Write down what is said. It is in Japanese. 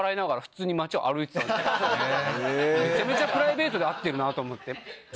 めちゃめちゃプライベートで会ってんなぁと思って。